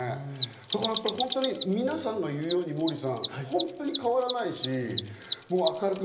だから本当に皆さんが言うようにモーリーさん、本当に変わらないし、明るく。